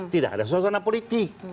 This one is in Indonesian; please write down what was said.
tidak ada suasana politik